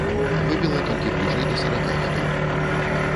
Выбіла толькі бліжэй да сарака гадоў.